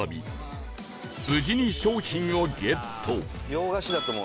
洋菓子だと思う。